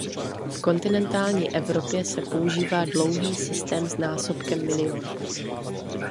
V kontinentální Evropě se používá dlouhý systém s násobkem milion.